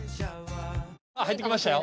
入って来ましたよ。